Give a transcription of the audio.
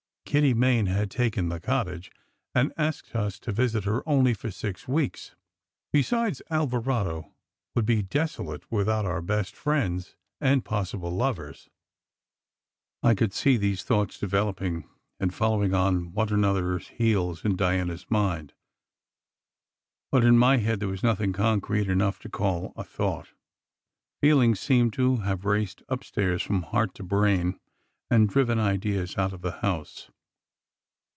Kitty Main had taken the cottage and asked us to visit her only for six weeks. Besides, Alvarado would be deso late without our best friends and possible lovers. I could see these thoughts developing and following on one another s heels in Diana s mind. But in my head there was nothing concrete enough to call a "thought." Feel ings seemed to have raced upstairs from heart to brain, and driven ideas out of the house.